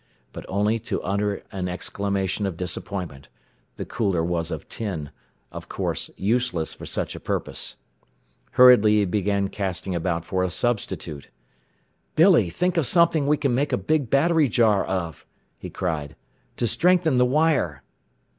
But only to utter an exclamation of disappointment. This cooler was of tin of course useless for such a purpose. Hurriedly he began casting about for a substitute. "Billy, think of something we can make a big battery jar of!" he cried. "To strengthen the wire!"